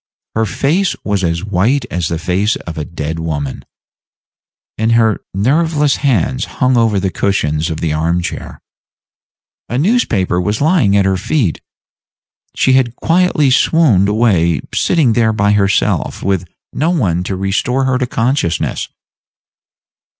Her face was as white as the face of a dead woman, and her nerveless hands hung over the cushions of the arm chair. A newspaper was lying at her feet. She had quietly swooned away sitting there by herself, with no one by to restore her to consciousness.